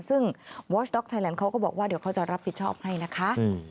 ซึ่งวอสด็อกไทยแลนด์เขาก็บอกว่าเดี๋ยวเขาจะรับผิดชอบให้นะคะ